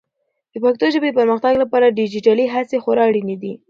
د پښتو ژبې د پرمختګ لپاره ډیجیټلي هڅې خورا اړینې دي.